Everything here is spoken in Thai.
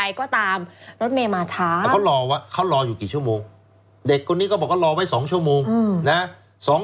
ตามรถเมย์มาช้าแล้วเขารอว่าเขารออยู่กี่ชั่วโมงเด็กคนนี้ก็บอกว่ารอไว้๒ชั่วโมงนะ